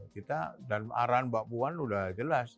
kita dan arahan mbak puan sudah jelas